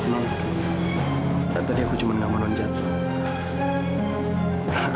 kan tadi aku cuma gak mau nonjad tuh